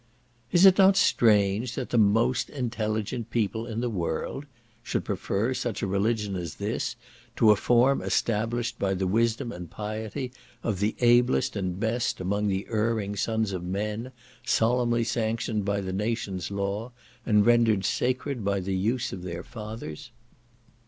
Is it not strange that "the most intelligent people in the world" should prefer such a religion as this, to a form established by the wisdom and piety of the ablest and best among the erring sons of men, solemnly sanctioned by the nation's law, and rendered sacred by the use of their fathers?